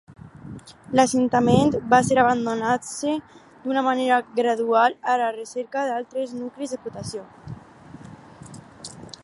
L'assentament va ser abandonant-se d'una manera gradual a la recerca d'altres nuclis d'explotació.